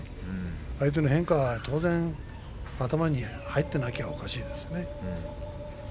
相手の変化が頭に入っていなければおかしいですよね。